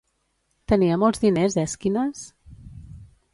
Tenia molts diners Èsquines?